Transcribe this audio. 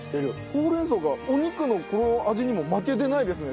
ほうれん草がお肉のこの味にも負けてないですね。